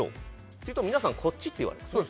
っていうと皆さん、こっちって言われます。